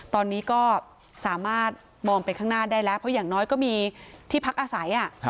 ตอนนี้ก็สามารถมองไปข้างหน้าได้แล้วเพราะอย่างน้อยก็มีที่พักอาศัย